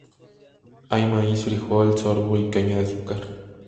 Hay maíz, frijol, sorgo, y caña de azúcar.